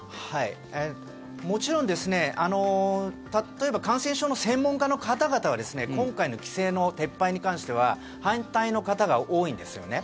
もちろん例えば感染症の専門家の方々は今回の規制の撤廃に関しては反対の方が多いんですよね。